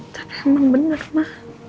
tapi emang bener ma